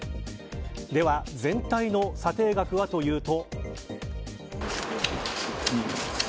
では全体の査定額はというと。